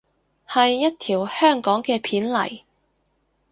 係一條香港嘅片嚟